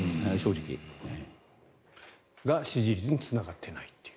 だから支持率につながっていないと。